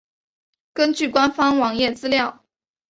根据官方网页资料。